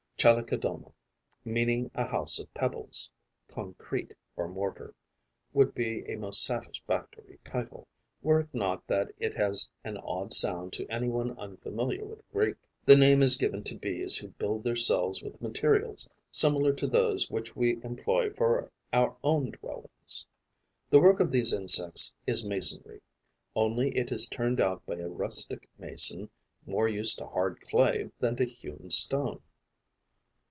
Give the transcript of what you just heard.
Chalicodoma, meaning a house of pebbles, concrete or mortar, would be a most satisfactory title, were it not that it has an odd sound to any one unfamiliar with Greek. The name is given to Bees who build their cells with materials similar to those which we employ for our own dwellings. The work of these insects is masonry; only it is turned out by a rustic mason more used to hard clay than to hewn stone.